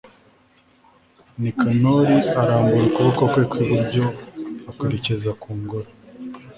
nikanori arambura ukuboko kwe kw'iburyo akwerekeje ku ngoro